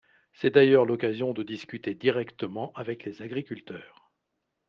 C’est d’ailleurs l’occasion de discuter directement avec les agriculteurs.